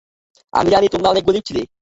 আমি জানি তোমরা অনেক গরীব ছিলে!